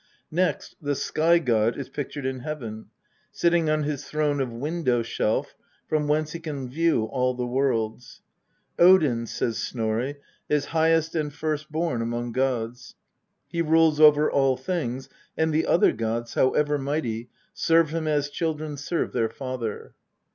Next the Sky god is pictured in Heaven, sitting on his throne of Window shelf, from whence he can view all the worlds. "Odin," says Snorri, "is highest and first born among gods. He rules over all things, and the other gods, however mighty, serve him as children serve their father."